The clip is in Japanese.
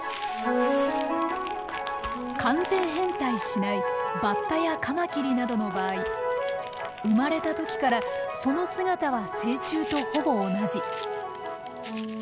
完全変態しないバッタやカマキリなどの場合生まれた時からその姿は成虫とほぼ同じ。